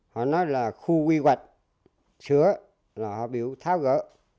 họ nói là khu quy hoạch sữa là họ biểu tháo gỡ